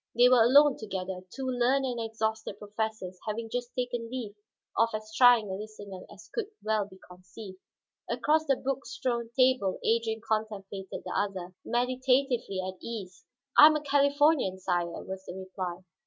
They were alone together, two learned and exhausted professors having just taken leave of as trying a listener as could well be conceived. Across the book strewn table Adrian contemplated the other, meditatively at ease. "I am a Californian, sire," was the reply.